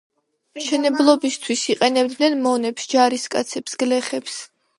მშენებლობისათვის იყენებდნენ მონებს, ჯარისკაცებს, გლეხებს.